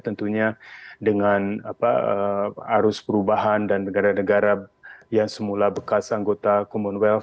tentunya dengan arus perubahan dan negara negara yang semula bekas anggota commonwealt